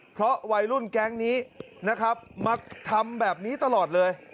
เพราะวัยรุ่นแก๊งนี้นะครับมาทำแบบนี้ตลอดเลย